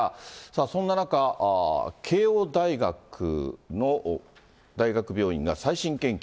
そんな中、慶應大学の大学病院が最新研究。